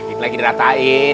ini lagi diratain